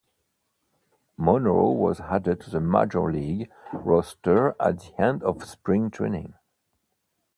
Monroe was added to the Major League roster at the end of spring training.